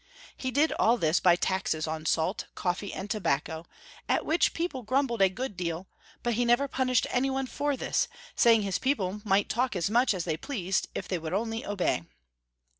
He did all this by taxes on salt, coffee, and tobacco, at which people grumbled a good deal, but he never punished any one for tliis, saying his people might talk as much as they pleased Lf they would only obey.